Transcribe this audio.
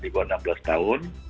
di bawah enam belas tahun